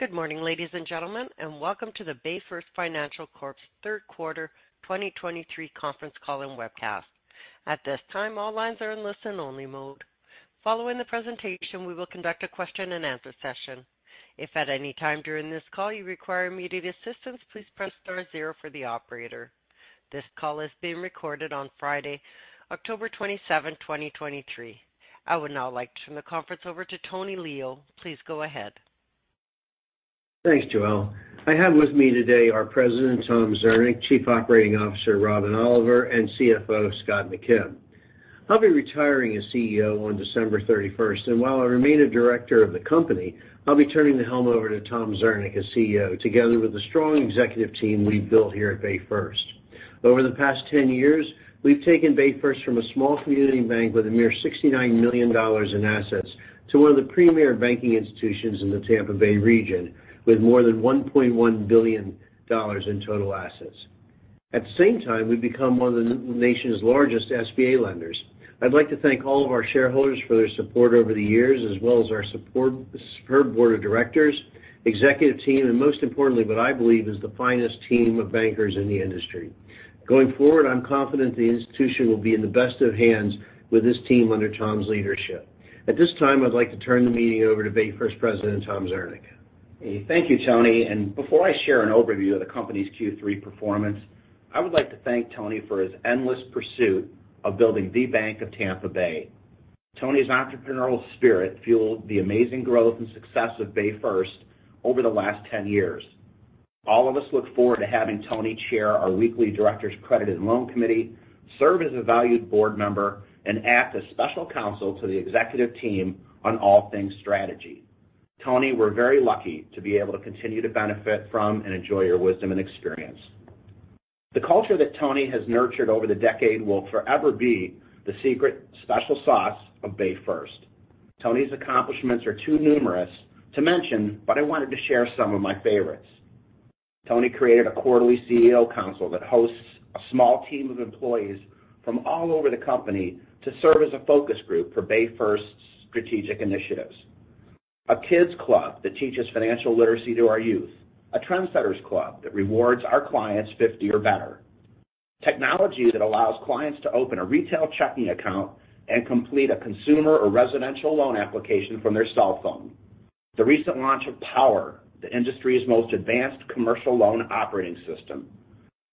Good morning, ladies and gentlemen, and welcome to the BayFirst Financial Corp's third quarter 2023 conference call and webcast. At this time, all lines are in listen-only mode. Following the presentation, we will conduct a question-and-answer session. If at any time during this call you require immediate assistance, please press star zero for the operator. This call is being recorded on Friday, October 27, 2023. I would now like to turn the conference over to Tony Leo. Please go ahead. Thanks, Joelle. I have with me today our President, Tom Zernick, Chief Operating Officer, Robin Oliver, and CFO, Scott McKim. I'll be retiring as CEO on December thirty-first, and while I remain a director of the company, I'll be turning the helm over to Tom Zernick as CEO, together with a strong executive team we've built here at BayFirst. Over the past 10 years, we've taken BayFirst from a small community bank with a mere $69 million in assets to one of the premier banking institutions in the Tampa Bay region, with more than $1.1 billion in total assets. At the same time, we've become one of the nation's largest SBA lenders. I'd like to thank all of our shareholders for their support over the years, as well as our superb board of directors, executive team, and most importantly, what I believe is the finest team of bankers in the industry. Going forward, I'm confident the institution will be in the best of hands with this team under Tom's leadership. At this time, I'd like to turn the meeting over to BayFirst President, Tom Zernick. Thank you, Tony. Before I share an overview of the company's Q3 performance, I would like to thank Tony for his endless pursuit of building the bank of Tampa Bay. Tony's entrepreneurial spirit fueled the amazing growth and success of BayFirst over the last 10 years. All of us look forward to having Tony chair our weekly directors' credit and loan committee, serve as a valued board member, and act as special counsel to the executive team on all things strategy. Tony, we're very lucky to be able to continue to benefit from and enjoy your wisdom and experience. The culture that Tony has nurtured over the decade will forever be the secret special sauce of BayFirst. Tony's accomplishments are too numerous to mention, but I wanted to share some of my favorites. Tony created a quarterly CEO council that hosts a small team of employees from all over the company to serve as a focus group for BayFirst's strategic initiatives. A Kids Club that teaches financial literacy to our youth. A TrendSetters Club that rewards our clients 50 or better. Technology that allows clients to open a retail checking account and complete a consumer or residential loan application from their cell phone. The recent launch of POWER, the industry's most advanced commercial loan operating system.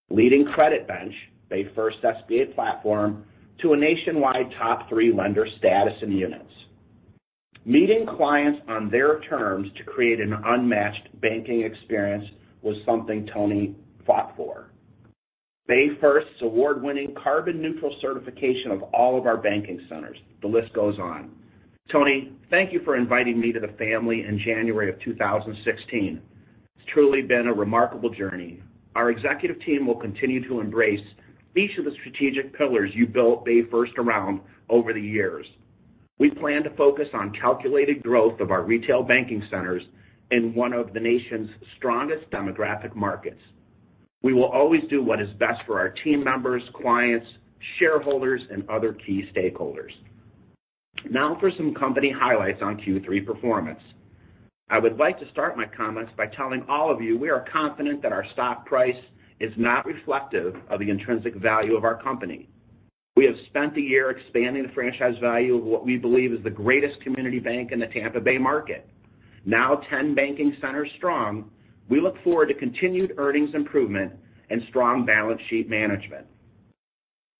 Leading CreditBench, BayFirst SBA platform, to a nationwide top three lender status in units. Meeting clients on their terms to create an unmatched banking experience was something Tony fought for. BayFirst's award-winning carbon-neutral certification of all of our banking centers. The list goes on. Tony, thank you for inviting me to the family in January of 2016. It's truly been a remarkable journey. Our executive team will continue to embrace each of the strategic pillars you built BayFirst around over the years. We plan to focus on calculated growth of our retail banking centers in one of the nation's strongest demographic markets. We will always do what is best for our team members, clients, shareholders, and other key stakeholders. Now for some company highlights on Q3 performance. I would like to start my comments by telling all of you we are confident that our stock price is not reflective of the intrinsic value of our company. We have spent the year expanding the franchise value of what we believe is the greatest community bank in the Tampa Bay market. Now 10 banking centers strong, we look forward to continued earnings improvement and strong balance sheet management.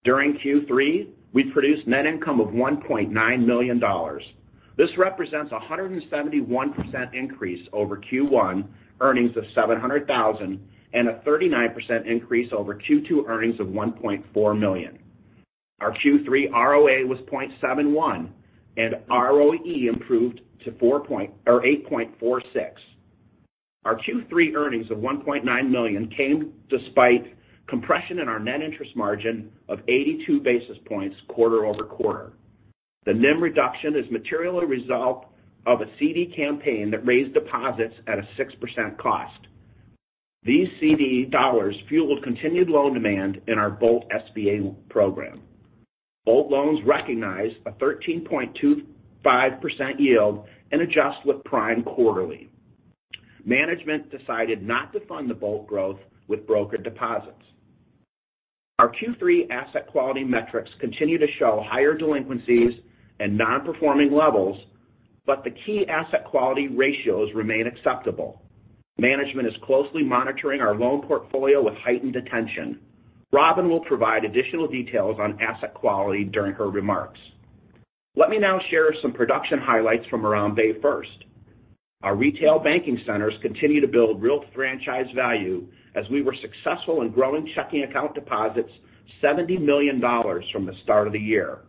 During Q3, we produced net income of $1.9 million. This represents a 171% increase over Q1 earnings of $700,000 and a 39% increase over Q2 earnings of $1.4 million. Our Q3 ROA was 0.71, and ROE improved to 4.0 or 8.46. Our Q3 earnings of $1.9 million came despite compression in our net interest margin of 82 basis points quarter-over-quarter. The NIM reduction is materially a result of a CD campaign that raised deposits at a 6% cost. These CD dollars fueled continued loan demand in our Bolt SBA program. Bolt loans recognized a 13.25% yield and adjust with prime quarterly. Management decided not to fund the Bolt growth with brokered deposits. Our Q3 asset quality metrics continue to show higher delinquencies and non-performing levels, but the key asset quality ratios remain acceptable. Management is closely monitoring our loan portfolio with heightened attention. Robin will provide additional details on asset quality during her remarks. Let me now share some production highlights from around BayFirst. Our retail banking centers continue to build real franchise value as we were successful in growing checking account deposits $70 million from the start of the year.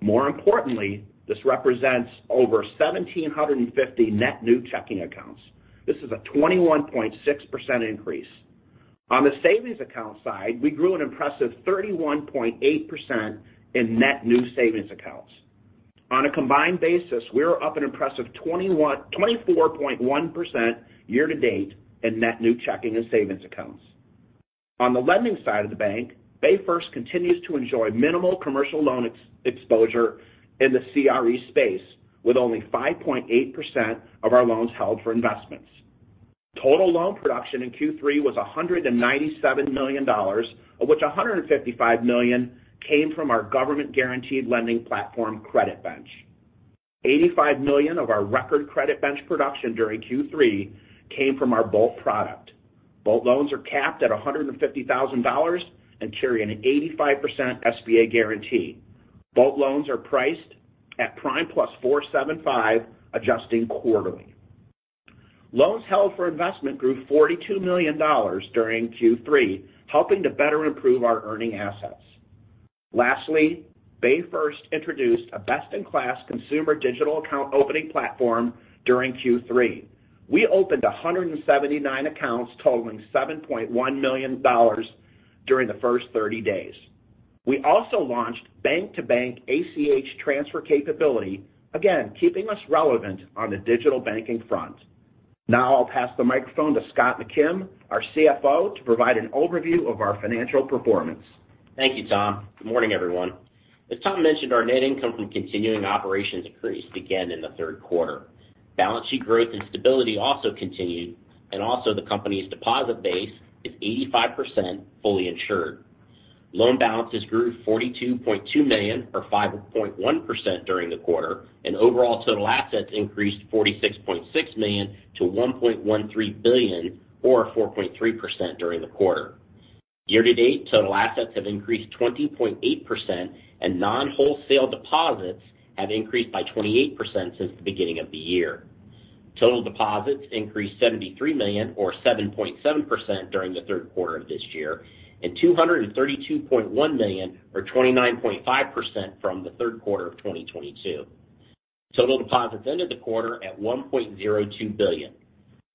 More importantly, this represents over 1,750 net new checking accounts. This is a 21.6% increase. On the savings account side, we grew an impressive 31.8% in net new savings accounts. On a combined basis, we're up an impressive 24.1% year to date in net new checking and savings accounts. On the lending side of the bank, BayFirst continues to enjoy minimal commercial loan exposure in the CRE space, with only 5.8% of our loans held for investments. Total loan production in Q3 was $197 million, of which $155 million came from our government-guaranteed lending platform, CreditBench. $85 million of our record CreditBench production during Q3 came from our Bolt product. Bolt loans are capped at $150,000 and carry an 85% SBA guarantee. Bolt loans are priced at prime plus 4.75, adjusting quarterly. Loans held for investment grew $42 million during Q3, helping to better improve our earning assets. Lastly, BayFirst introduced a best-in-class consumer digital account opening platform during Q3. We opened 179 accounts totaling $7.1 million during the first 30 days. We also launched bank-to-bank ACH transfer capability, again, keeping us relevant on the digital banking front. Now I'll pass the microphone to Scott McKim, our CFO, to provide an overview of our financial performance. Thank you, Tom. Good morning, everyone. As Tom mentioned, our net income from continuing operations increased again in the third quarter. Balance sheet growth and stability also continued, and also the company's deposit base is 85% fully insured. Loan balances grew $42.2 million, or 5.1% during the quarter, and overall total assets increased $46.6 million to $1.13 billion, or 4.3% during the quarter. Year-to-date, total assets have increased 20.8%, and non-wholesale deposits have increased by 28% since the beginning of the year. Total deposits increased $73 million, or 7.7% during the third quarter of this year, and $232.1 million, or 29.5% from the third quarter of 2022. Total deposits ended the quarter at $1.02 billion.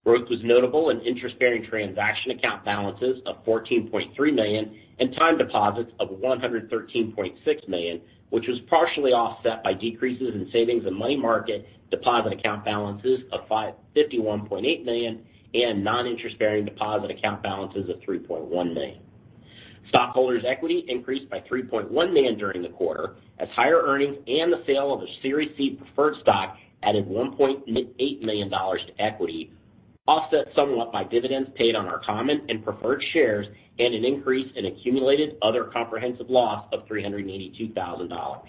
Growth was notable in interest-bearing transaction account balances of $14.3 million and time deposits of $113.6 million, which was partially offset by decreases in savings and money market deposit account balances of $551.8 million and non-interest-bearing deposit account balances of $3.1 million. Stockholders' equity increased by $3.1 million during the quarter, as higher earnings and the sale of a Series C Preferred Stock added $1.8 million to equity, offset somewhat by dividends paid on our common and preferred shares and an increase in accumulated other comprehensive loss of $382,000.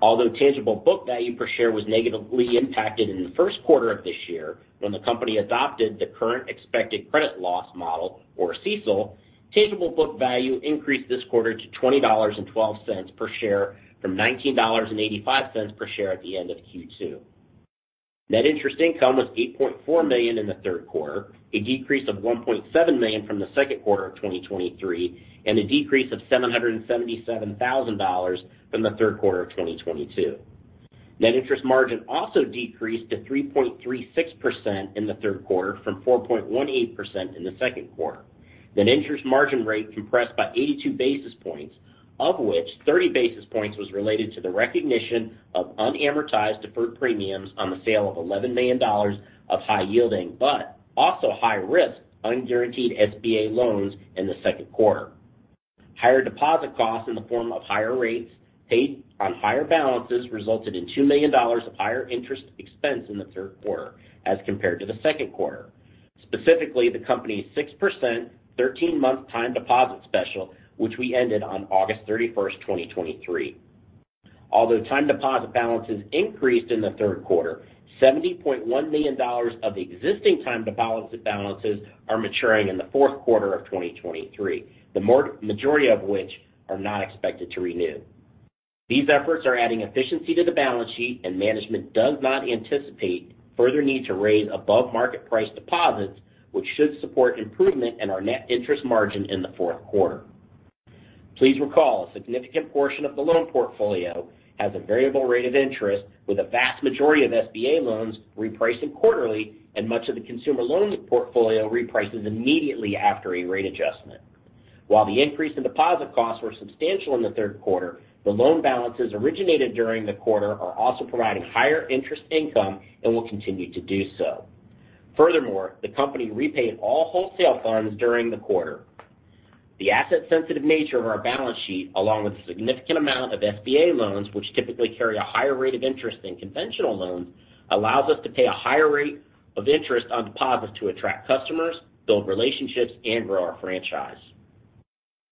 Although tangible book value per share was negatively impacted in the first quarter of this year, when the company adopted the Current Expected Credit Loss model, or CECL, tangible book value increased this quarter to $20.12 per share from $19.85 per share at the end of Q2. Net interest income was $8.4 million in the third quarter, a decrease of $1.7 million from the second quarter of 2023, and a decrease of $777,000 from the third quarter of 2022. Net interest margin also decreased to 3.36% in the third quarter, from 4.18% in the second quarter. Net interest margin rate compressed by 82 basis points, of which 30 basis points was related to the recognition of unamortized deferred premiums on the sale of $11 million of high-yielding, but also high-risk, unguaranteed SBA loans in the second quarter. Higher deposit costs in the form of higher rates paid on higher balances resulted in $2 million of higher interest expense in the third quarter as compared to the second quarter. Specifically, the company's 6%, 13-month time deposit special, which we ended on August 31, 2023. Although time deposit balances increased in the third quarter, $70.1 million of the existing time deposit balances are maturing in the fourth quarter of 2023, the majority of which are not expected to renew. These efforts are adding efficiency to the balance sheet, and management does not anticipate further need to raise above-market-price deposits, which should support improvement in our net interest margin in the fourth quarter. Please recall, a significant portion of the loan portfolio has a variable rate of interest, with a vast majority of SBA loans repricing quarterly and much of the consumer loan portfolio reprices immediately after a rate adjustment. While the increase in deposit costs were substantial in the third quarter, the loan balances originated during the quarter are also providing higher interest income and will continue to do so. Furthermore, the company repaid all wholesale loans during the quarter. The asset-sensitive nature of our balance sheet, along with a significant amount of SBA loans, which typically carry a higher rate of interest than conventional loans, allows us to pay a higher rate of interest on deposits to attract customers, build relationships, and grow our franchise.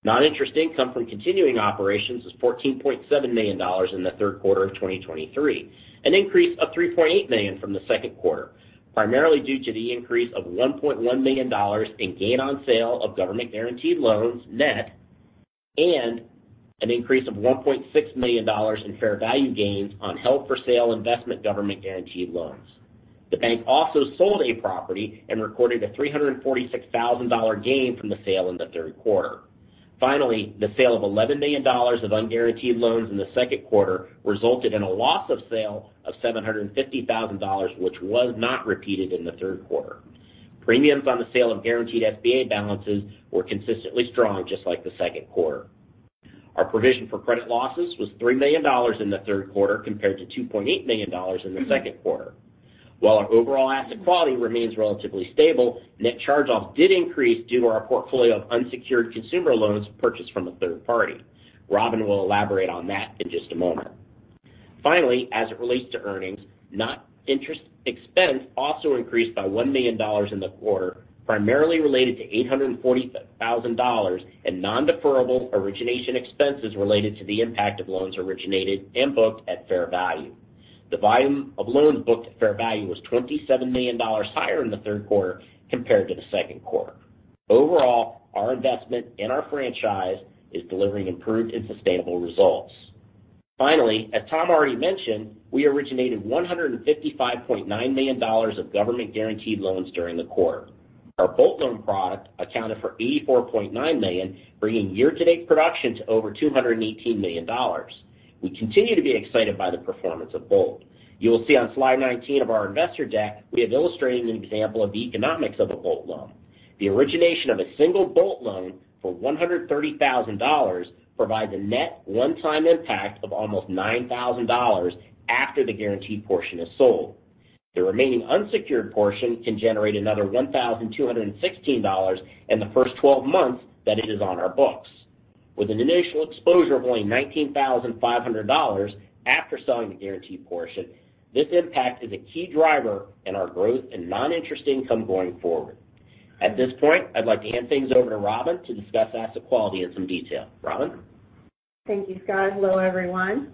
Non-interest income from continuing operations was $14.7 million in the third quarter of 2023, an increase of $3.8 million from the second quarter, primarily due to the increase of $1.1 million in gain on sale of government-guaranteed loans net and an increase of $1.6 million in fair value gains on held-for-sale investment government-guaranteed loans. The bank also sold a property and recorded a $346,000 gain from the sale in the third quarter. Finally, the sale of $11 million of unguaranteed loans in the second quarter resulted in a loss of sale of $750,000, which was not repeated in the third quarter. Premiums on the sale of guaranteed SBA balances were consistently strong, just like the second quarter.... Our provision for credit losses was $3 million in the third quarter, compared to $2.8 million in the second quarter. While our overall asset quality remains relatively stable, net charge-offs did increase due to our portfolio of unsecured consumer loans purchased from a third party. Robin will elaborate on that in just a moment. Finally, as it relates to earnings, not interest expense also increased by $1 million in the quarter, primarily related to $840,000 in non-deferrable origination expenses related to the impact of loans originated and booked at fair value. The volume of loans booked at fair value was $27 million higher in the third quarter compared to the second quarter. Overall, our investment in our franchise is delivering improved and sustainable results. Finally, as Tom already mentioned, we originated $155.9 million of government-guaranteed loans during the quarter. Our Bolt loan product accounted for $84.9 million, bringing year-to-date production to over $218 million. We continue to be excited by the performance of Bolt. You will see on slide 19 of our investor deck, we have illustrated an example of the economics of a Bolt loan. The origination of a single Bolt loan for $130,000 provides a net one-time impact of almost $9,000 after the guaranteed portion is sold. The remaining unsecured portion can generate another $1,216 in the first 12 months that it is on our books. With an initial exposure of only $19,500 after selling the guaranteed portion, this impact is a key driver in our growth and non-interest income going forward. At this point, I'd like to hand things over to Robin to discuss asset quality in some detail. Robin? Thank you, Scott. Hello, everyone.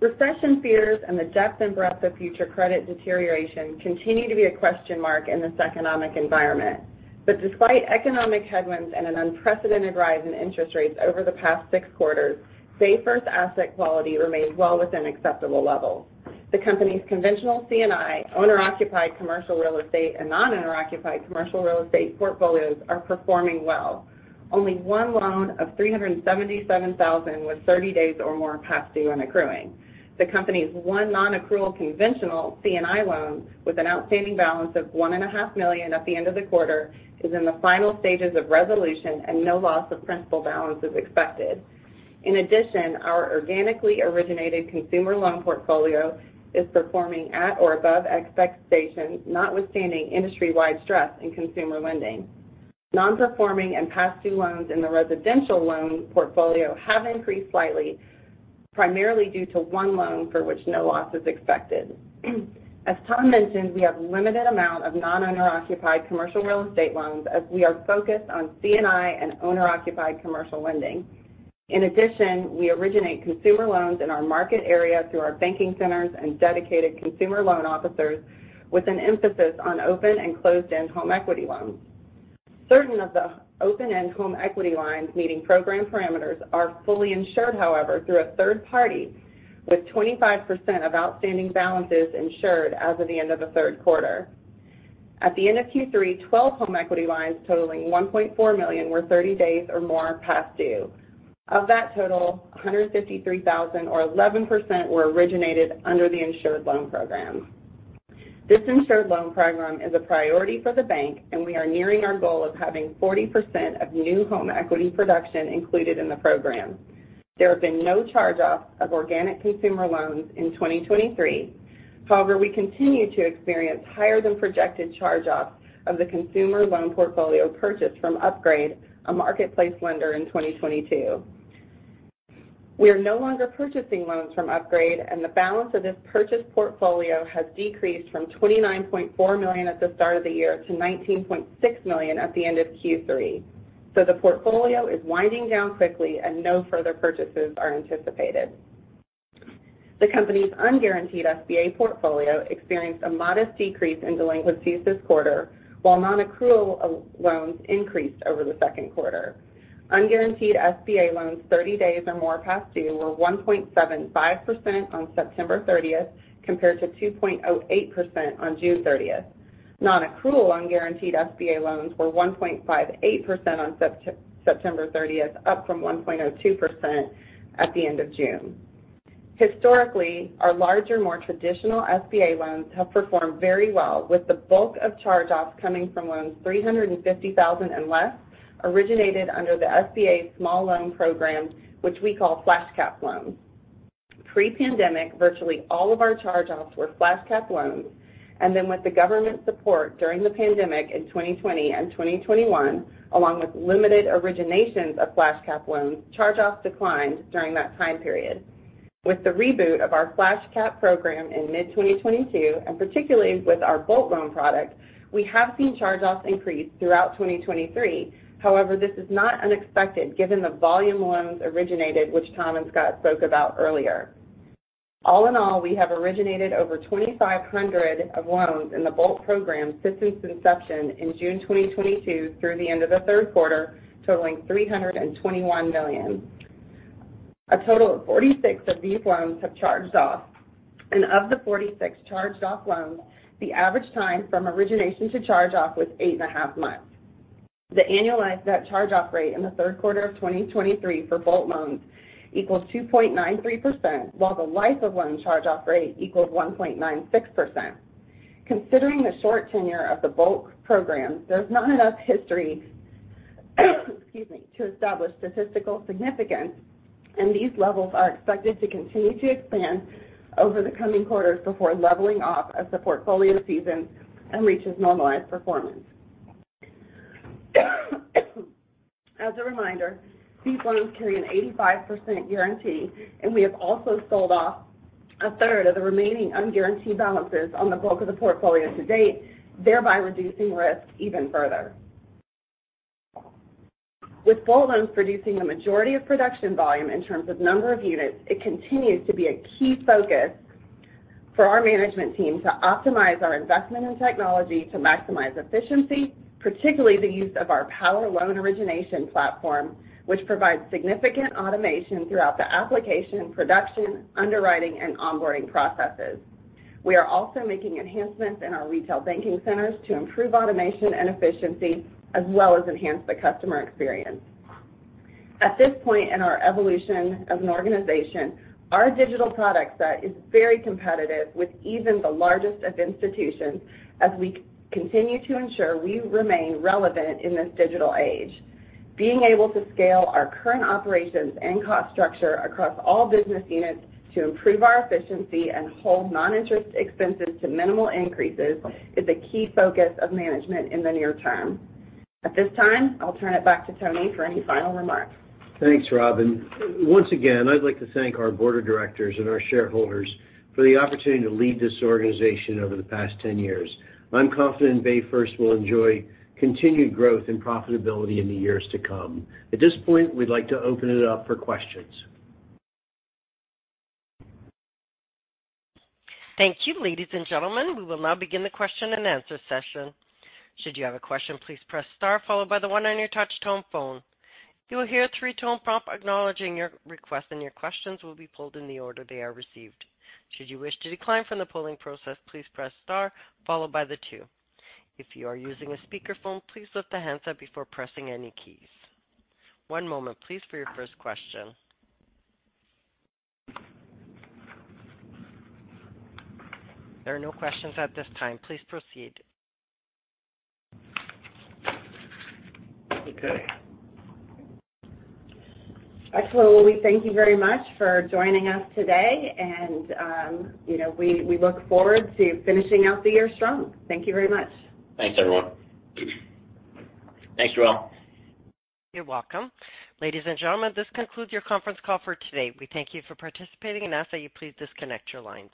Recession fears and the depth and breadth of future credit deterioration continue to be a question mark in this economic environment. But despite economic headwinds and an unprecedented rise in interest rates over the past six quarters, BayFirst asset quality remains well within acceptable levels. The company's conventional C&I, owner-occupied commercial real estate, and non-owner-occupied commercial real estate portfolios are performing well. Only one loan of $377,000 was 30 days or more past due on accruing. The company's one non-accrual conventional C&I loan, with an outstanding balance of $1.5 million at the end of the quarter, is in the final stages of resolution, and no loss of principal balance is expected. In addition, our organically originated consumer loan portfolio is performing at or above expectations, notwithstanding industry-wide stress in consumer lending. Non-performing and past-due loans in the residential loan portfolio have increased slightly, primarily due to one loan for which no loss is expected. As Tom mentioned, we have limited amount of non-owner-occupied commercial real estate loans as we are focused on C&I and owner-occupied commercial lending. In addition, we originate consumer loans in our market area through our banking centers and dedicated consumer loan officers, with an emphasis on open and closed-end home equity loans. Certain of the open-end home equity lines meeting program parameters are fully insured, however, through a third party, with 25% of outstanding balances insured as of the end of the third quarter. At the end of Q3, 12 home equity lines totaling $1.4 million were 30 days or more past due. Of that total, $153,000 or 11% were originated under the insured loan program. This insured loan program is a priority for the bank, and we are nearing our goal of having 40% of new home equity production included in the program. There have been no charge-offs of organic consumer loans in 2023. However, we continue to experience higher-than-projected charge-offs of the consumer loan portfolio purchased from Upgrade, a marketplace lender, in 2022. We are no longer purchasing loans from Upgrade, and the balance of this purchase portfolio has decreased from $29.4 million at the start of the year to $19.6 million at the end of Q3. So the portfolio is winding down quickly and no further purchases are anticipated. The company's unguaranteed SBA portfolio experienced a modest decrease in delinquencies this quarter, while non-accrual loans increased over the second quarter. Unguaranteed SBA loans 30 days or more past due were 1.75% on September 30, compared to 2.08% on June 30. Non-accrual on guaranteed SBA loans were 1.58% on September 30, up from 1.02% at the end of June. Historically, our larger, more traditional SBA loans have performed very well, with the bulk of charge-offs coming from loans $350,000 and less, originated under the SBA Small Loan program, which we call Flash Cap loans. Pre-pandemic, virtually all of our charge-offs were Flash Cap loans, and then with the government support during the pandemic in 2020 and 2021, along with limited originations of Flash Cap loans, charge-offs declined during that time period. With the reboot of our Flash Cap program in mid-2022, and particularly with our Bolt loan product, we have seen charge-offs increase throughout 2023. However, this is not unexpected given the volume loans originated, which Tom and Scott spoke about earlier. All in all, we have originated over 2,500 of loans in the Bolt program since its inception in June 2022 through the end of the third quarter, totaling $321 million. A total of 46 of these loans have charged off, and of the 46 charged-off loans, the average time from origination to charge-off was eight and a half months. The annualized net charge-off rate in the third quarter of 2023 for Bolt loans equals 2.93%, while the life of loan charge-off rate equals 1.96%. Considering the short tenure of the Bolt programs, there's not enough history, excuse me, to establish statistical significance, and these levels are expected to continue to expand over the coming quarters before leveling off as the portfolio seasons and reaches normalized performance. As a reminder, these loans carry an 85% guarantee, and we have also sold off a third of the remaining unguaranteed balances on the bulk of the portfolio to date, thereby reducing risk even further. With small loans producing the majority of production volume in terms of number of units, it continues to be a key focus for our management team to optimize our investment in technology to maximize efficiency, particularly the use of our POWER loan origination platform, which provides significant automation throughout the application, production, underwriting, and onboarding processes. We are also making enhancements in our retail banking centers to improve automation and efficiency, as well as enhance the customer experience. At this point in our evolution as an organization, our digital product set is very competitive with even the largest of institutions, as we continue to ensure we remain relevant in this digital age. Being able to scale our current operations and cost structure across all business units to improve our efficiency and hold non-interest expenses to minimal increases is a key focus of management in the near term. At this time, I'll turn it back to Tony for any final remarks. Thanks, Robin. Once again, I'd like to thank our board of directors and our shareholders for the opportunity to lead this organization over the past 10 years. I'm confident BayFirst will enjoy continued growth and profitability in the years to come. At this point, we'd like to open it up for questions. Thank you, ladies and gentlemen. We will now begin the question-and-answer session. Should you have a question, please press star followed by the one on your touch tone phone. You will hear a three-tone prompt acknowledging your request, and your questions will be pulled in the order they are received. Should you wish to decline from the polling process, please press star followed by the two. If you are using a speakerphone, please lift the handset before pressing any keys. One moment, please, for your first question. There are no questions at this time. Please proceed. Okay. Excellent. Well, we thank you very much for joining us today, and, you know, we look forward to finishing out the year strong. Thank you very much. Thanks, everyone. Thanks, you all. You're welcome. Ladies and gentlemen, this concludes your conference call for today. We thank you for participating and ask that you please disconnect your lines.